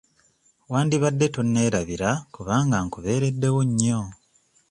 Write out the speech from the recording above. Wandibadde tonneerabira kubanga nkubeereddewo nnyo.